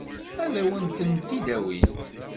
Ad wen-tent-id-awin?